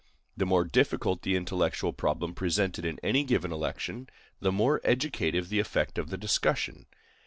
The more difficult the intellectual problem presented in any given election, the more educative the effect of the discussion.